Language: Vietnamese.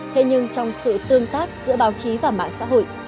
thế nhưng trong sự tương tác giữa báo chí và mạng xã hội